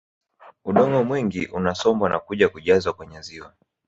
Udongo mwingi unasombwa na kuja kujazwa kwenye ziwa